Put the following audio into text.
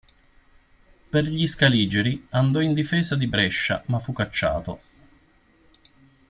Per gli Scaligeri andò in difesa di Brescia, ma fu cacciato.